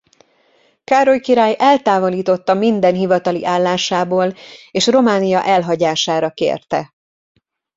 Károly király eltávolította minden hivatali állásából és Románia elhagyására kérte.